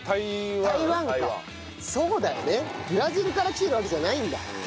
ブラジルから来てるわけじゃないんだ。